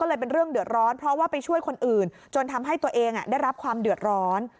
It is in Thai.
เป็นเรื่องเดือดร้อนเพราะว่าไปช่วยคนอื่นจนทำให้ตัวเองได้รับความเดือดร้อน